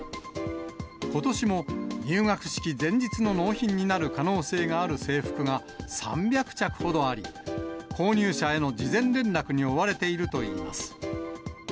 ことしも入学式前日の納品になる可能性がある制服が、３００着ほどあり、購入者への事前連絡に追われているといいます。